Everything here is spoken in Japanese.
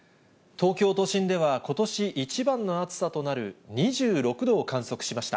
東京都心では、ことし一番の暑さとなる２６度を観測しました。